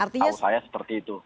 tahu saya seperti itu